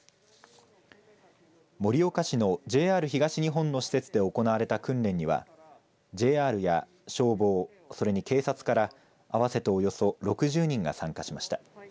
盛岡市のＪＲ東日本の施設で行われた訓練にはＪＲや消防それに警察から合わせておよそ６０人が参加しました。